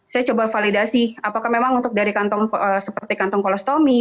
saya coba validasi apakah memang untuk dari kantong seperti kantong kolostomi